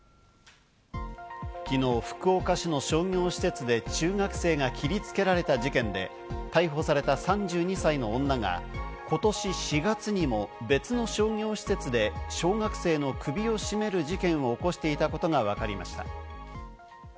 昨日、福岡市の商業施設で、中学生が切りつけられた事件で、逮捕された３２歳の女が今年４月にも別の商業施設で小学生の首を絞める事件を起こしていたことがわかりました。